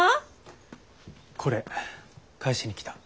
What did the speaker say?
これ返しに来た。